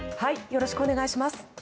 よろしくお願いします。